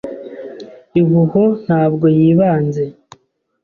Ihuho ntabwo yibanze